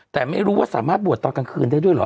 แต่ไม่รู้ว่าสามารถบวชตอนกลางคืนได้ด้วยเหรอ